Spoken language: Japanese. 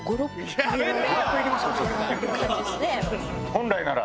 本来なら？